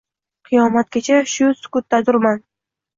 Qiyomatgacha shul sukutdadurman.